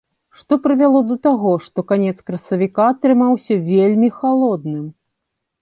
Што прывяло да таго, што канец красавіка атрымаўся вельмі халодным?